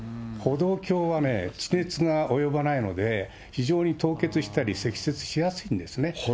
歩道橋はね、地熱が及ばないので非常に凍結したり、積雪しやすいんですね。